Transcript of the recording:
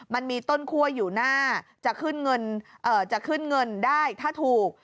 มันมีต้นขั้วอยู่หน้าจะขึ้นเงินได้ถ้าถูก